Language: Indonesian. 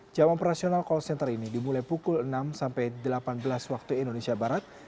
jam operasional call center ini dimulai pukul enam sampai delapan belas waktu indonesia barat